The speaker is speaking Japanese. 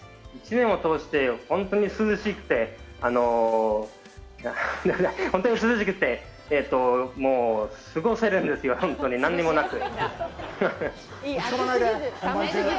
１年を通して本当に涼しくて、本当に涼しくて、過ごせるんですよ、本当に何にもなく。